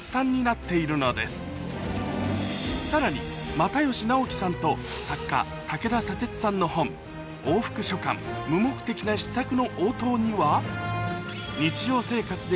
又吉直樹さんと作家武田砂鉄さんの本『往復書簡無目的な思索の応答』には日常生活で